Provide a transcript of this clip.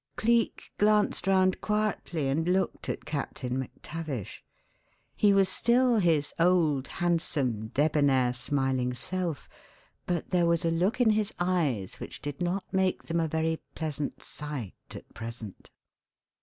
Cleek glanced round quietly and looked at Captain MacTavish. He was still his old handsome, debonnaire, smiling self; but there was a look in his eyes which did not make them a very pleasant sight at present.